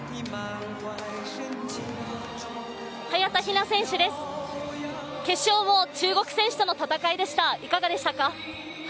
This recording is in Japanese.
早田ひな選手です、決勝を中国選手との戦いでした、いかがでしたか。